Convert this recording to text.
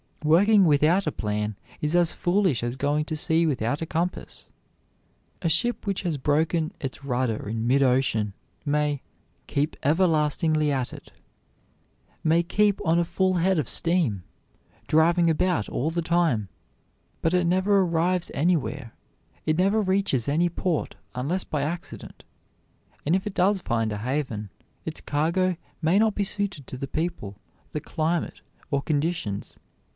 Working without a plan is as foolish as going to sea without a compass. A ship which has broken its rudder in mid ocean may "keep everlastingly at it," may keep on a full head of steam, driving about all the time, but it never arrives anywhere, it never reaches any port unless by accident; and if it does find a haven, its cargo may not be suited to the people, the climate, or conditions.